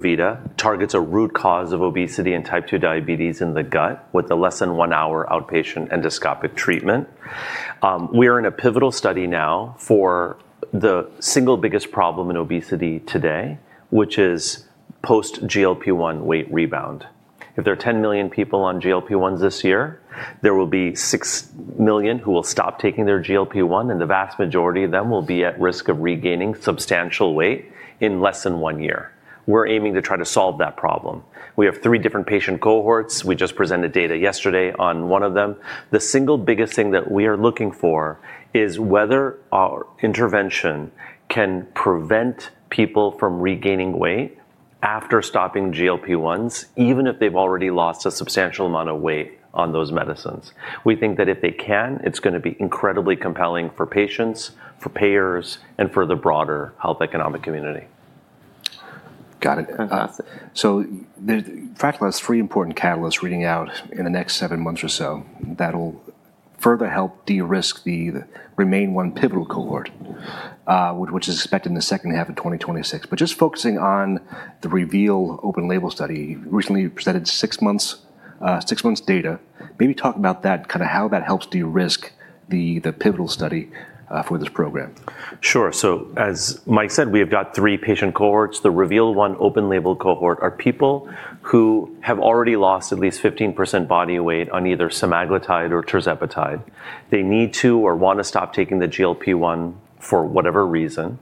Revita targets a root cause of obesity and type 2 diabetes in the gut with a less than one-hour outpatient endoscopic treatment. We are in a pivotal study now for the single biggest problem in obesity today, which is post-GLP-1 weight rebound. If there are 10 million people on GLP-1s this year, there will be 6 million who will stop taking their GLP-1, and the vast majority of them will be at risk of regaining substantial weight in less than one year. We're aiming to try to solve that problem. We have three different patient cohorts. We just presented data yesterday on one of them. The single biggest thing that we are looking for is whether our intervention can prevent people from regaining weight after stopping GLP-1s, even if they've already lost a substantial amount of weight on those medicines. We think that if they can, it's going to be incredibly compelling for patients, for payers, and for the broader health economic community. Got it. So Fractyl has three important catalysts reading out in the next seven months or so that'll further help de-risk the REMAIN-1 pivotal cohort, which is expected in the second half of 2026. But just focusing on the REVEAL-1 open-label study, recently presented six months' data, maybe talk about that, kind of how that helps de-risk the pivotal study for this program. Sure, so as Mike said, we have got three patient cohorts. The REVEAL-1 open-label cohort are people who have already lost at least 15% body weight on either semaglutide or tirzepatide. They need to or want to stop taking the GLP-1 for whatever reason,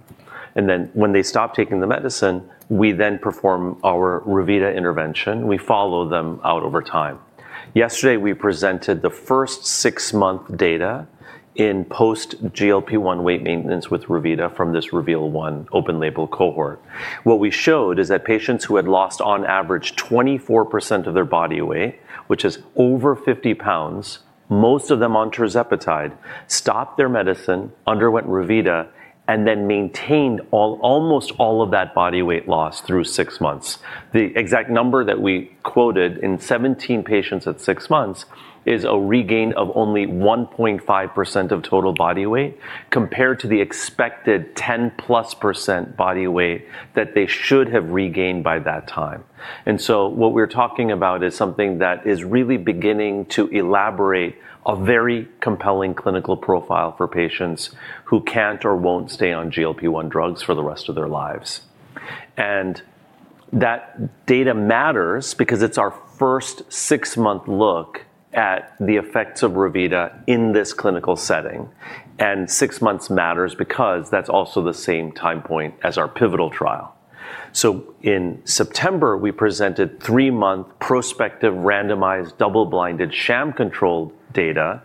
and then when they stop taking the medicine, we then perform our Revita intervention. We follow them out over time. Yesterday, we presented the first six-month data in post-GLP-1 weight maintenance with Revita from this REVEAL-1 open-label cohort. What we showed is that patients who had lost, on average, 24% of their body weight, which is over 50 pounds, most of them on tirzepatide, stopped their medicine, underwent Revita, and then maintained almost all of that body weight loss through six months. The exact number that we quoted in 17 patients at six months is a regain of only 1.5% of total body weight compared to the expected 10%+ body weight that they should have regained by that time. And so what we're talking about is something that is really beginning to elaborate a very compelling clinical profile for patients who can't or won't stay on GLP-1 drugs for the rest of their lives. And that data matters because it's our first six-month look at the effects of Revita in this clinical setting. And six months matters because that's also the same time point as our pivotal trial. So in September, we presented three-month prospective randomized double-blinded sham-controlled data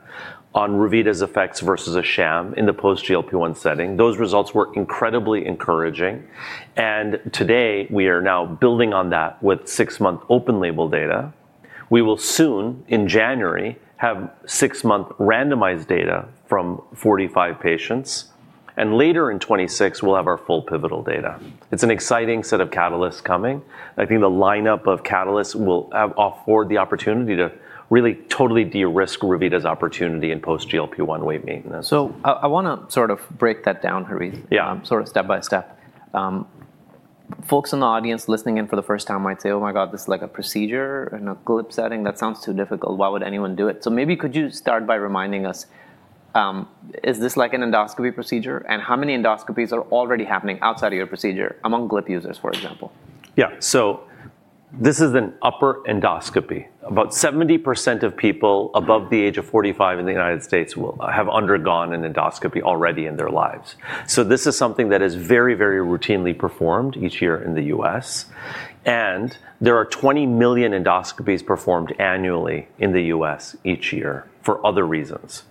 on Revita's effects versus a sham in the post-GLP-1 setting. Those results were incredibly encouraging. And today, we are now building on that with six-month open-label data. We will soon, in January, have six-month randomized data from 45 patients. And later in 2026, we'll have our full pivotal data. It's an exciting set of catalysts coming. I think the lineup of catalysts will afford the opportunity to really totally de-risk Revita's opportunity in post-GLP-1 weight maintenance. So I want to sort of break that down, Harith, sort of step by step. Folks in the audience listening in for the first time might say, "Oh my God, this is like a procedure in a GLP setting. That sounds too difficult. Why would anyone do it?" So maybe could you start by reminding us, is this like an endoscopy procedure? And how many endoscopies are already happening outside of your procedure among GLP users, for example? Yeah. So this is an upper endoscopy. About 70% of people above the age of 45 in the United States have undergone an endoscopy already in their lives. So this is something that is very, very routinely performed each year in the U.S. And there are 20 million endoscopies performed annually in the U.S. each year for other reasons.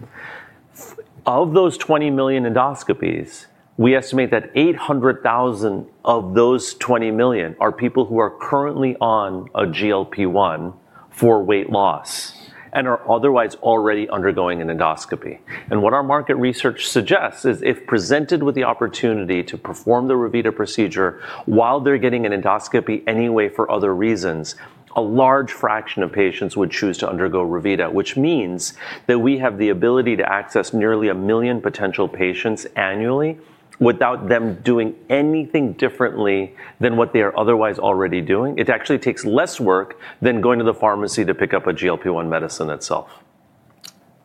Of those 20 million endoscopies, we estimate that 800,000 of those 20 million are people who are currently on a GLP-1 for weight loss and are otherwise already undergoing an endoscopy. What our market research suggests is if presented with the opportunity to perform the Revita procedure while they're getting an endoscopy anyway for other reasons, a large fraction of patients would choose to undergo Revita, which means that we have the ability to access nearly a million potential patients annually without them doing anything differently than what they are otherwise already doing. It actually takes less work than going to the pharmacy to pick up a GLP-1 medicine itself.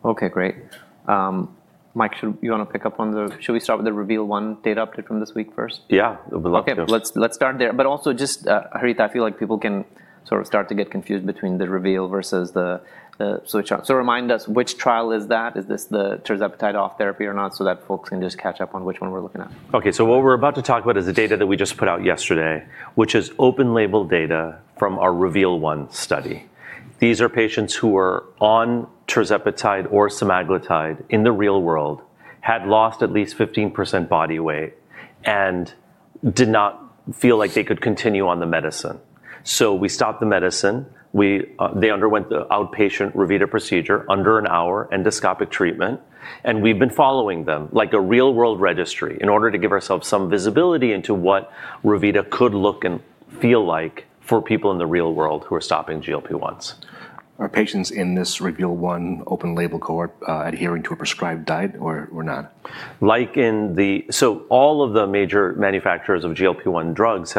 Okay, great. Mike, you want to pick up on that? Should we start with the REVEAL-1 data update from this week first? Yeah, we'd love to. Okay, let's start there. But also, just, Harith, I feel like people can sort of start to get confused between the REVEAL-1 versus the REMAIN-1. So remind us, which trial is that? Is this the tirzepatide off therapy or not so that folks can just catch up on which one we're looking at? Okay, so what we're about to talk about is the data that we just put out yesterday, which is open-label data from our REVEAL-1 study. These are patients who are on tirzepatide or semaglutide in the real world, had lost at least 15% body weight, and did not feel like they could continue on the medicine. So we stopped the medicine. They underwent the outpatient Revita procedure under an hour endoscopic treatment. And we've been following them like a real-world registry in order to give ourselves some visibility into what Revita could look and feel like for people in the real world who are stopping GLP-1s. Are patients in this REVEAL-1 open-label cohort adhering to a prescribed diet or not? So all of the major manufacturers of GLP-1 drugs,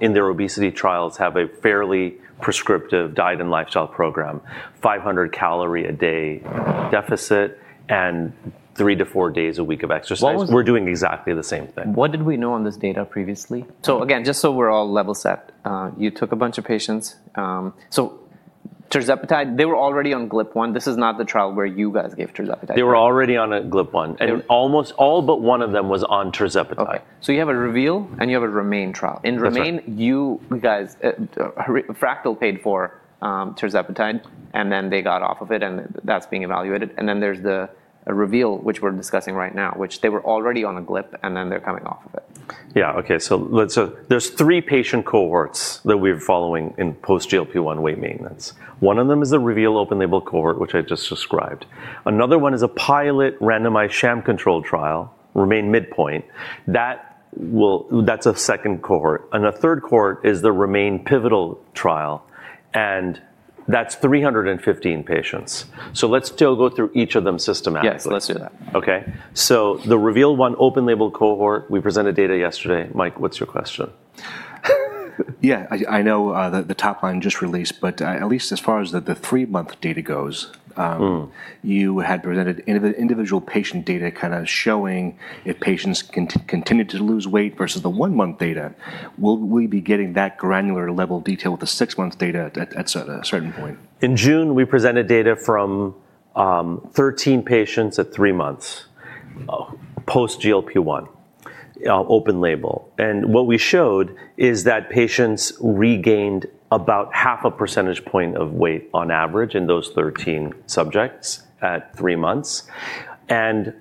in their obesity trials, have a fairly prescriptive diet and lifestyle program, 500 calorie a day deficit and three to four days a week of exercise. We're doing exactly the same thing. What did we know on this data previously? So again, just so we're all level set, you took a bunch of patients. So tirzepatide, they were already on GLP-1. This is not the trial where you guys gave tirzepatide. They were already on a GLP-1, and almost all but one of them was on tirzepatide. Okay, so you have a REVEAL and you have a REMAIN trial. In REMAIN, you guys Fractyl paid for tirzepatide, and then they got off of it, and that's being evaluated, and then there's the REVEAL, which we're discussing right now, which they were already on a GLP, and then they're coming off of it. Yeah, okay so there's three patient cohorts that we're following in post-GLP-1 weight maintenance. One of them is the REVEAL open-label cohort, which I just described. Another one is a pilot randomized sham-controlled trial, REMAIN Midpoint. That's a second cohort, and a third cohort is the REMAIN pivotal trial, and that's 315 patients, so let's still go through each of them systematically. Yes, let's do that. Okay. The REVEAL-1 open-label cohort, we presented data yesterday. Mike, what's your question? Yeah, I know the top line just released, but at least as far as the three-month data goes, you had presented individual patient data kind of showing if patients continue to lose weight versus the one-month data. Will we be getting that granular level detail with the six-month data at a certain point? In June, we presented data from 13 patients at three months post-GLP-1 open-label. And what we showed is that patients regained about half a percentage point of weight on average in those 13 subjects at three months. And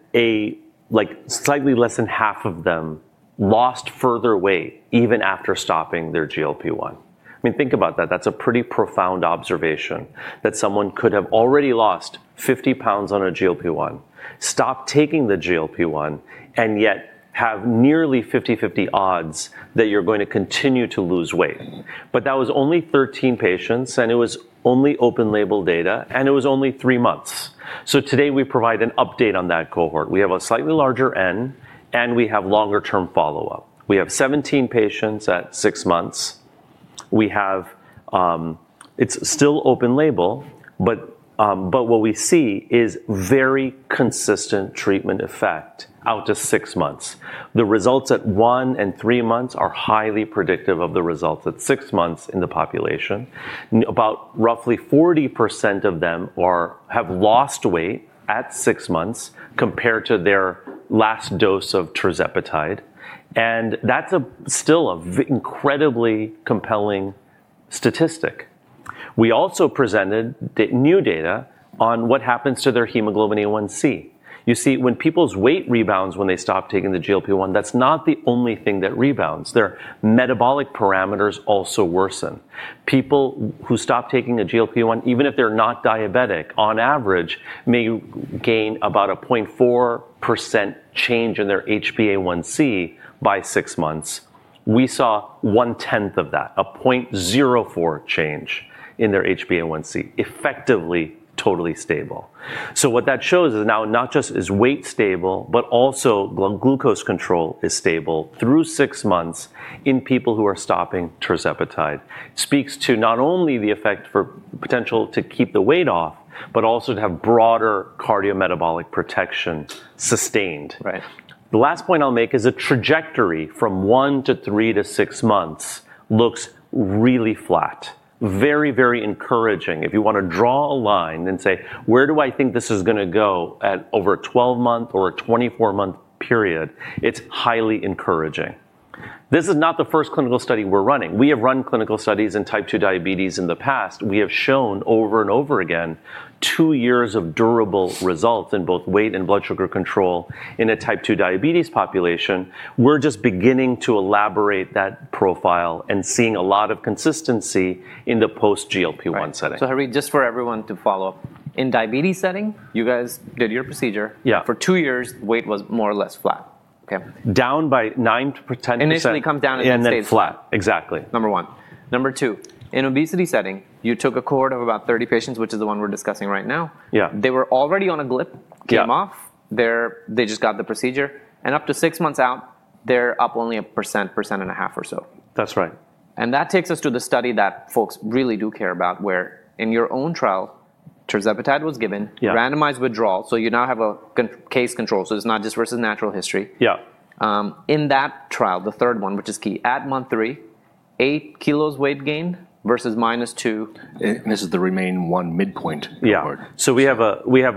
slightly less than half of them lost further weight even after stopping their GLP-1. I mean, think about that. That's a pretty profound observation that someone could have already lost 50 pounds on a GLP-1, stopped taking the GLP-1, and yet have nearly 50-50 odds that you're going to continue to lose weight. But that was only 13 patients, and it was only open-label data, and it was only three months. So today, we provide an update on that cohort. We have a slightly larger N, and we have longer-term follow-up. We have 17 patients at six months. It's still open-label, but what we see is very consistent treatment effect out to six months. The results at one and three months are highly predictive of the results at six months in the population. About roughly 40% of them have lost weight at six months compared to their last dose of tirzepatide, and that's still an incredibly compelling statistic. We also presented new data on what happens to their hemoglobin A1c. You see, when people's weight rebounds when they stop taking the GLP-1, that's not the only thing that rebounds. Their metabolic parameters also worsen. People who stop taking a GLP-1, even if they're not diabetic, on average may gain about a 0.4% change in their HbA1c by six months. We saw one-tenth of that, a 0.04% change in their HbA1c, effectively totally stable. So what that shows is now not just is weight stable, but also glucose control is stable through six months in people who are stopping tirzepatide. It speaks to not only the effect for potential to keep the weight off, but also to have broader cardiometabolic protection sustained. The last point I'll make is a trajectory from one to three to six months looks really flat, very, very encouraging. If you want to draw a line and say, "Where do I think this is going to go at over a 12-month or a 24-month period?" It's highly encouraging. This is not the first clinical study we're running. We have run clinical studies in type 2 diabetes in the past. We have shown over and over again two years of durable results in both weight and blood sugar control in a type 2 diabetes population. We're just beginning to elaborate that profile and seeing a lot of consistency in the post-GLP-1 setting. So Harith, just for everyone to follow up, in diabetes setting, you guys did your procedure. For two years, weight was more or less flat. Down by 9%. Initially come down at 6. And then flat, exactly. Number one. Number two, in obesity setting, you took a cohort of about 30 patients, which is the one we're discussing right now. They were already on a GLP, came off, they just got the procedure, and up to six months out, they're up only 1%, 1.5% or so. That's right. And that takes us to the study that folks really do care about, where in your own trial, tirzepatide was given, randomized withdrawal. So you now have a case control. So it's not just versus natural history. In that trial, the third one, which is key, at month three, eight kilos weight gain versus minus two. This is the REMAIN-1 midpoint cohort. Yeah. So we have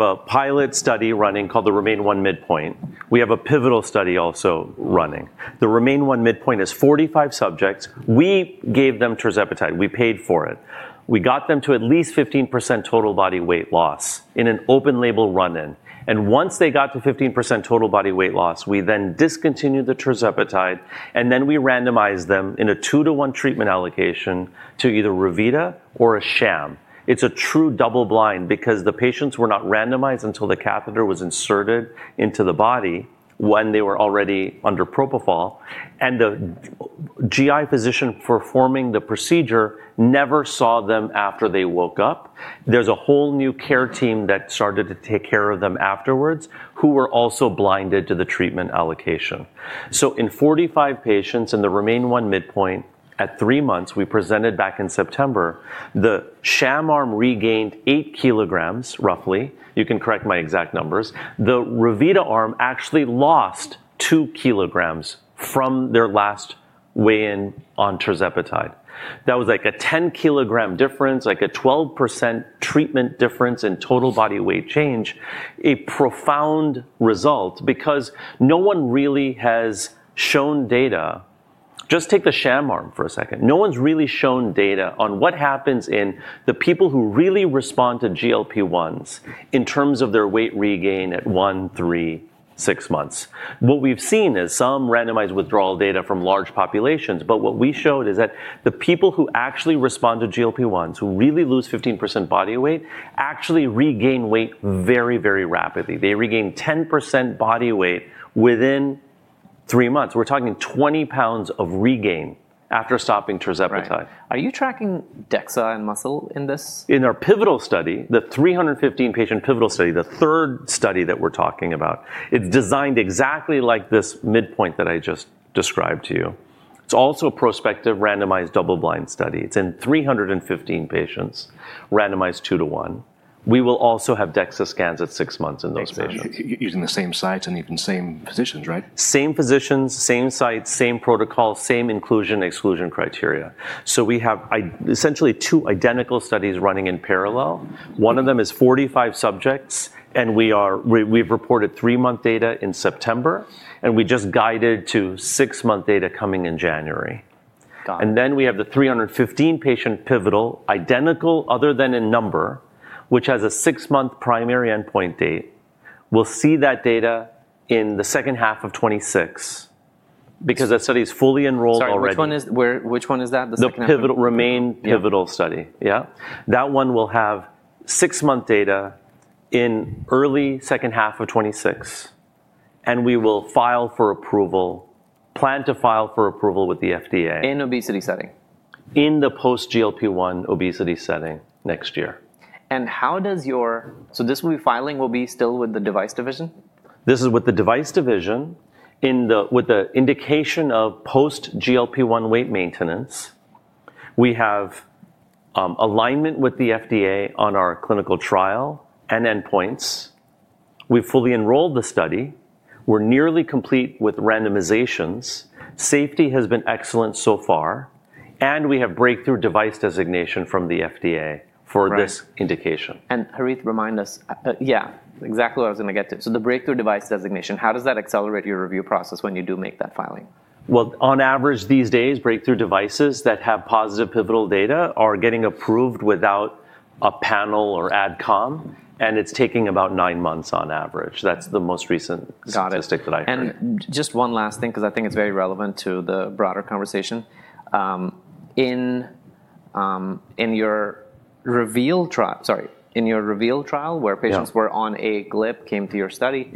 a pilot study running called the REMAIN-1 midpoint. We have a pivotal study also running. The REMAIN-1 midpoint is 45 subjects. We gave them tirzepatide. We paid for it. We got them to at least 15% total body weight loss in an open-label run-in. And once they got to 15% total body weight loss, we then discontinued the tirzepatide. And then we randomized them in a two-to-one treatment allocation to either Revita or a sham. It's a true double-blind because the patients were not randomized until the catheter was inserted into the body when they were already under propofol. And the GI physician performing the procedure never saw them after they woke up. There's a whole new care team that started to take care of them afterwards who were also blinded to the treatment allocation. So in 45 patients in the REMAIN-1 midpoint, at three months, we presented back in September, the sham arm regained eight kilograms, roughly. You can correct my exact numbers. The Revita arm actually lost two kilograms from their last weigh-in on tirzepatide. That was like a 10-kilogram difference, like a 12% treatment difference in total body weight change, a profound result because no one really has shown data. Just take the sham arm for a second. No one's really shown data on what happens in the people who really respond to GLP-1s in terms of their weight regain at one, three, six months. What we've seen is some randomized withdrawal data from large populations, but what we showed is that the people who actually respond to GLP-1s, who really lose 15% body weight, actually regain weight very, very rapidly. They regain 10% body weight within three months. We're talking 20 lbs of regain after stopping tirzepatide. Are you tracking DEXA and muscle in this? In our pivotal study, the 315-patient pivotal study, the third study that we're talking about, it's designed exactly like this midpoint that I just described to you. It's also a prospective randomized double-blind study. It's in 315 patients, randomized two to one. We will also have DEXA scans at six months in those patients. Using the same sites and even same physicians, right? Same physicians, same sites, same protocol, same inclusion/exclusion criteria. So we have essentially two identical studies running in parallel. One of them is 45 subjects, and we've reported three-month data in September, and we just guided to six-month data coming in January. And then we have the 315-patient pivotal, identical other than in number, which has a six-month primary endpoint date. We'll see that data in the second half of 2026 because that study is fully enrolled already. Sorry, which one is that? The pivotal REMAIN study, yeah. That one will have six-month data in early second half of 2026, and we will file for approval with the FDA. In obesity setting. In the post-GLP-1 obesity setting next year. So this filing will be still with the device division? This is with the device division with the indication of post-GLP-1 weight maintenance. We have alignment with the FDA on our clinical trial and endpoints. We've fully enrolled the study. We're nearly complete with randomizations. Safety has been excellent so far, and we have Breakthrough Device Designation from the FDA for this indication. And Harith, remind us, yeah, exactly what I was going to get to. So the Breakthrough Device Designation, how does that accelerate your review process when you do make that filing? On average these days, breakthrough devices that have positive pivotal data are getting approved without a panel or AdCom, and it's taking about nine months on average. That's the most recent statistic that I found. Got it. And just one last thing because I think it's very relevant to the broader conversation. In your REVEAL trial, sorry, in your REVEAL trial where patients were on a GLP, came to your study,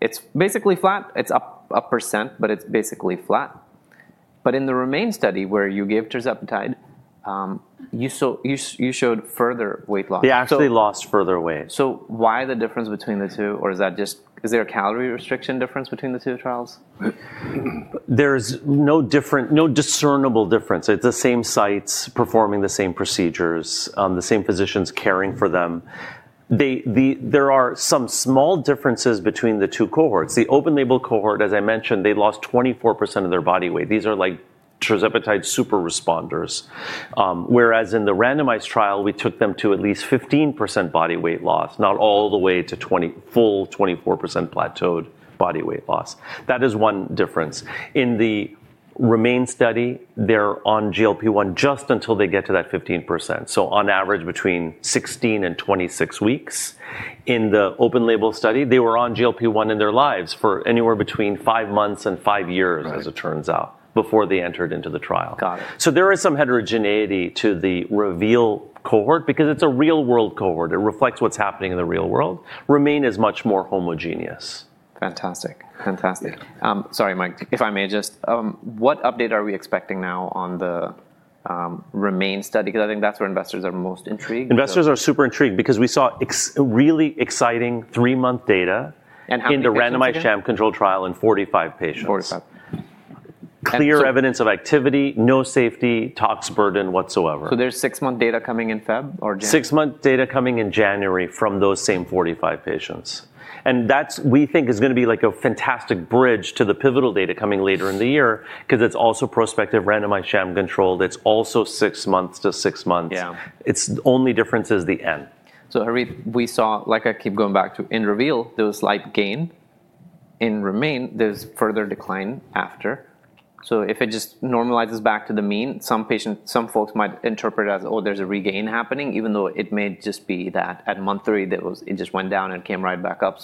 it's basically flat. It's up 1%, but it's basically flat. But in the REMAIN study where you gave tirzepatide, you showed further weight loss. They actually lost further weight. So why the difference between the two? Or is there a calorie restriction difference between the two trials? There's no discernible difference. It's the same sites performing the same procedures, the same physicians caring for them. There are some small differences between the two cohorts. The open-label cohort, as I mentioned, they lost 24% of their body weight. These are like tirzepatide super responders. Whereas in the randomized trial, we took them to at least 15% body weight loss, not all the way to full 24% plateaued body weight loss. That is one difference. In the REMAIN study, they're on GLP-1 just until they get to that 15%. So on average between 16 and 26 weeks. In the open-label study, they were on GLP-1 in their lives for anywhere between five months and five years, as it turns out, before they entered into the trial. So there is some heterogeneity to the REVEAL cohort because it's a real-world cohort. It reflects what's happening in the real world. REMAIN is much more homogeneous. Fantastic. Fantastic. Sorry, Mike, if I may just, what update are we expecting now on the REMAIN study? Because I think that's where investors are most intrigued. Investors are super intrigued because we saw really exciting three-month data in the randomized sham-controlled trial in 45 patients. Clear evidence of activity, no safety, tox burden whatsoever. So there's six-month data coming in February or January? Six-month data coming in January from those same 45 patients, and that's, we think, is going to be like a fantastic bridge to the pivotal data coming later in the year because it's also prospective randomized sham-controlled. It's also six months to six months. It's only difference is the end. So Harith, we saw, like I keep going back to, in REVEAL, there was slight gain. In REMAIN, there's further decline after. So if it just normalizes back to the mean, some folks might interpret as, "Oh, there's a regain happening," even though it may just be that at month three, it just went down and came right back up.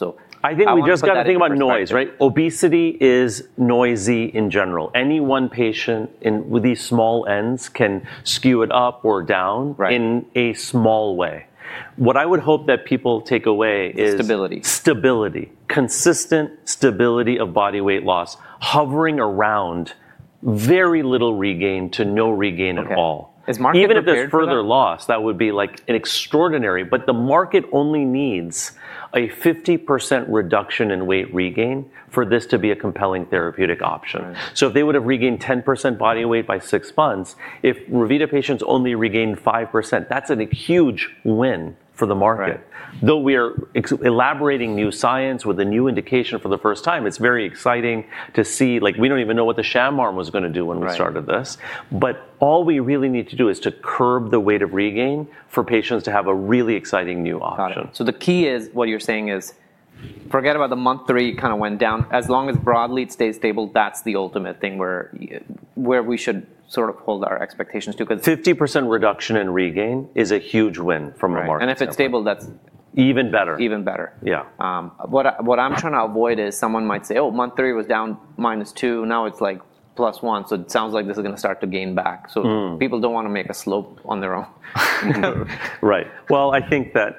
I think we just got to think about noise, right? Obesity is noisy in general. Any one patient with these small n's can skew it up or down in a small way. What I would hope that people take away is stability. Consistent stability of body weight loss hovering around very little regain to no regain at all. Even if there's further loss, that would be like extraordinary, but the market only needs a 50% reduction in weight regain for this to be a compelling therapeutic option, so if they would have regained 10% body weight by six months, if Revita patients only regained 5%, that's a huge win for the market. Though we are elaborating new science with a new indication for the first time, it's very exciting to see, like we don't even know what the sham arm was going to do when we started this. All we really need to do is to curb weight regain for patients to have a really exciting new option. So, the key is what you're saying is forget about the month three kind of went down. As long as broadly it stays stable, that's the ultimate thing where we should sort of hold our expectations to. 50% reduction in regain is a huge win from the market. And if it's stable, that's. Even better. Even better. Yeah. What I'm trying to avoid is someone might say, "Oh, month three was down minus two. Now it's like plus one." So it sounds like this is going to start to gain back. So people don't want to make a slope on their own. Right. Well, I think that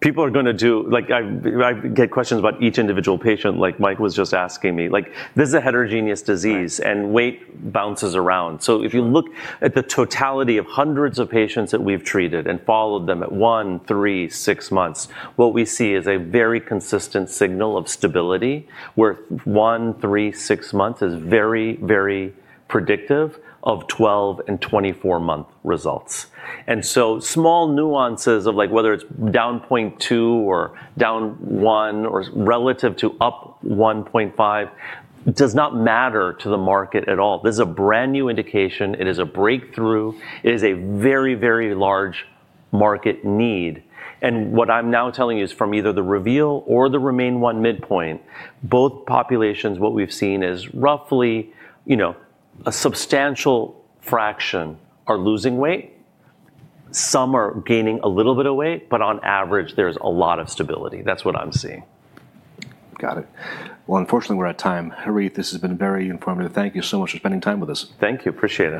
people are going to do, like I get questions about each individual patient, like Mike was just asking me. Like this is a heterogeneous disease and weight bounces around. So if you look at the totality of hundreds of patients that we've treated and followed them at one, three, six months, what we see is a very consistent signal of stability where one, three, six months is very, very predictive of 12- and 24-month results. And so small nuances of like whether it's down 0.2 or down one or relative to up 1.5 does not matter to the market at all. This is a brand new indication. It is a breakthrough. It is a very, very large market need. What I'm now telling you is from either the REVEAL-1 or the REMAIN-1 midpoint, both populations. What we've seen is roughly, you know, a substantial fraction are losing weight. Some are gaining a little bit of weight, but on average, there's a lot of stability. That's what I'm seeing. Got it. Well, unfortunately, we're at time. Harith, this has been very informative. Thank you so much for spending time with us. Thank you. Appreciate it.